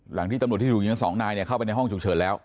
หลังที่ตำรวจที่ถูกยัง๒นายเข้าไปในห้องฉุกเฉินแล้ว